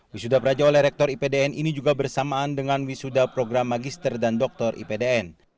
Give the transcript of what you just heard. wisuda praja oleh rektor ipdn ini juga bersamaan dengan wisuda program magister dan doktor ipdn